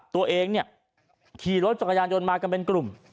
ตัวเองเนี่ยขี่รถจักรยานยนต์มากันเป็นกลุ่ม